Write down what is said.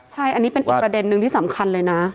ใช่อันนี้เป็นอีกประเด็นนึงที่สำคัญเลยนะ